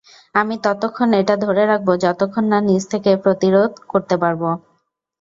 আমি ততক্ষণ এটা ধরে রাখবো যতক্ষণ না নিজে থেকে প্রতিরোধ করতে পারো।